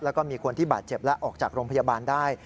แล้วก็มีคนที่บาดเจ็บและออกจากโรงพยาบาลได้